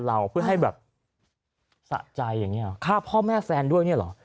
เราเพื่อให้แบบสะใจอย่างนี้หรอฆ่าพ่อแม่แฟนด้วยเนี่ยเหรอ